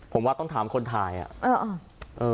ผมว่าต้องถามคนถ่ายอ่ะ